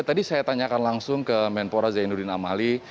tadi saya tanyakan langsung ke menpora zainuddin amali